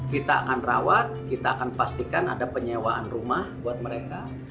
kita akan rawat kita akan pastikan ada penyewaan rumah buat mereka